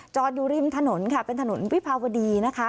อยู่ริมถนนค่ะเป็นถนนวิภาวดีนะคะ